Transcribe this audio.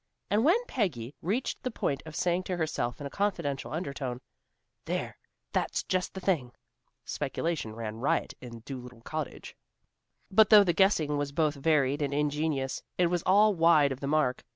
And when Peggy reached the point of saying to herself in a confidential undertone, "There! That's just the thing!" speculation ran riot in Dolittle Cottage. But though the guessing was both varied and ingenious, it was all wide of the mark.